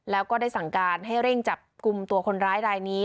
แล้วก็ได้สั่งการให้เร่งจับกลุ่มตัวคนร้ายรายนี้